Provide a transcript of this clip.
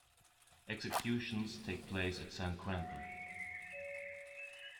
Executions take place at San Quentin.